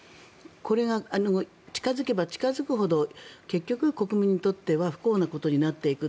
これが近付けば近付くほど結局、国民にとっては不幸なことになっていく。